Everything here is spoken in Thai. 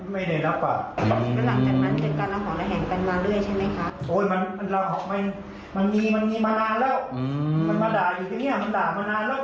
มันมาด่าอยู่ที่นี่มันด่ามานานแล้ว